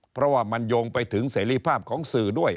เพราะว่ามันโยงไปถึงเสรีภาพของสื่อด้วย